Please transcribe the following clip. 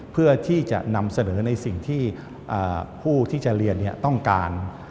เพื่อที่จะนำเสนอในสิ่งที่ผู้ที่จะเรียนต้องการ